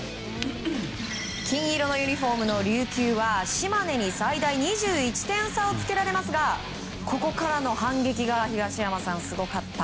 金色のユニホームの琉球は島根に最大２１点差をつけられますがここからの反撃が東山さん、すごかった。